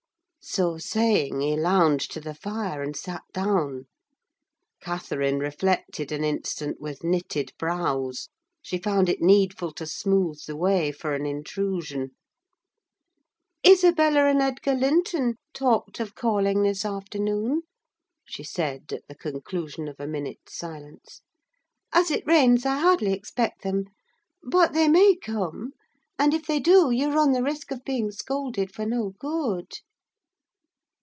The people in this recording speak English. So saying, he lounged to the fire, and sat down. Catherine reflected an instant, with knitted brows—she found it needful to smooth the way for an intrusion. "Isabella and Edgar Linton talked of calling this afternoon," she said, at the conclusion of a minute's silence. "As it rains, I hardly expect them; but they may come, and if they do, you run the risk of being scolded for no good."